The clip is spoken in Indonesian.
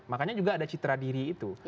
makanya juga ada citra diri itu